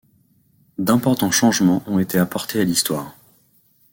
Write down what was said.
D'importants changements ont été apportés à l'histoire.